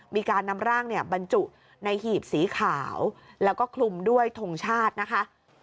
มีการนำร่างเนี่ยบรรจุในหีบสีขาวแล้วก็คลุมด้วยทงชาตินะคะ